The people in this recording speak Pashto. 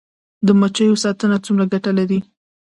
د مچیو ساتنه څومره ګټه لري؟